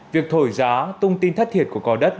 việc thổi giá tung tin thất thiệt của cò đất